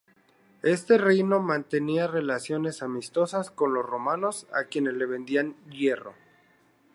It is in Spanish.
Este Reino mantenía relaciones amistosas con los romanos, a quienes le vendían hierro.